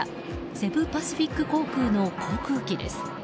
セブ・パシフィック航空の航空機です。